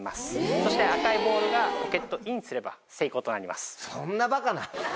そして赤いボールがポケットインすれば成功となります。